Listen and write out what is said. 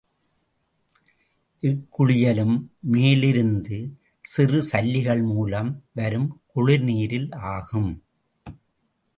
இக்குளியலும் மேலிருந்து சிறு சல்லிகள் மூலம் வரும் குளிர் நீரில் ஆகும்.